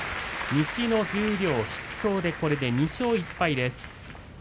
西の十両筆頭でこれで２勝１敗です。